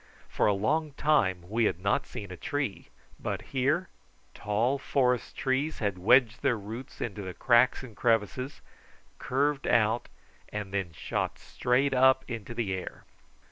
For a long time we had not seen a tree, but here tall forest trees had wedged their roots in the cracks and crevices, curved out, and then shot straight up into the air.